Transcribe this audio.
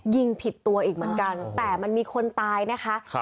ยิงผิดตัวอีกเหมือนกันแต่มันมีคนตายนะคะ